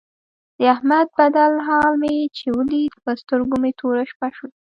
د احمد بدل حال مې چې ولید په سترګو مې توره شپه شوله.